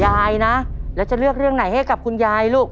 ยายนะแล้วจะเลือกเรื่องไหนให้กับคุณยายลูก